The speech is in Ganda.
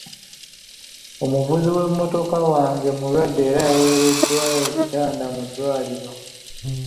Omuvuzi w'emmotoka wange mulwadde era yaweereddwa ekitanda mu ddwaliro.